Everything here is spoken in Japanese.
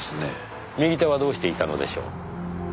右手はどうしていたのでしょう？